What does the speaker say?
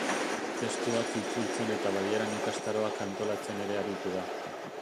Testuak itzultzen eta bailaran ikastaroak antolatzen ere aritu da.